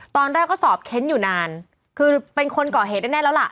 ตอนแรกก็สอบเค้นอยู่นานคือเป็นคนก่อเหตุแน่แล้วล่ะ